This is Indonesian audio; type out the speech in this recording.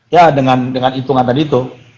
ya dengan dengan hitungan tadi tuh